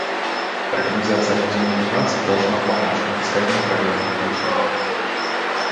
Организация Объединенных Наций должна помочь в отыскании правильного пути.